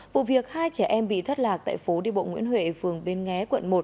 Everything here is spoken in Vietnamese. vụ việc hai trẻ em bị thất lạc tại phố đi bộ nguyễn huệ phường bến nghé quận một